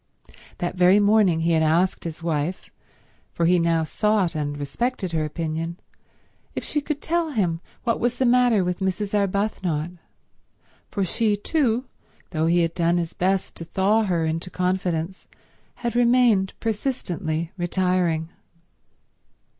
That very morning he had asked his wife, for he now sought and respected her opinion, if she could tell him what was the matter with Mrs. Arbuthnot, for she too, though he had done his best to thaw her into confidence, had remained persistently retiring.